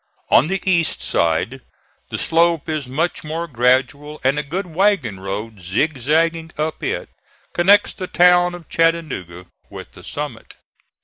On the east side the slope is much more gradual, and a good wagon road, zigzagging up it, connects the town of Chattanooga with the summit.